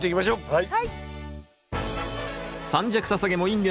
はい。